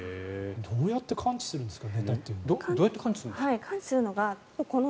どうやって感知するんですか？